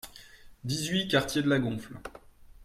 dix-huit quartier de la Gonfle